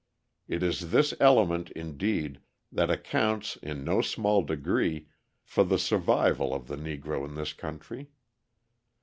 It is this element, indeed, that accounts in no small degree for the survival of the Negro in this country.